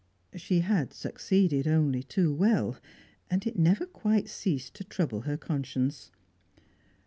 She had succeeded only too well, and it never quite ceased to trouble her conscience.